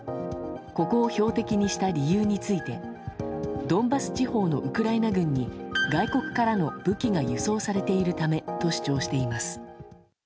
ここを標的にした理由についてドンバス地方のウクライナ軍に外国からの武器が輸送されているためと主張しています。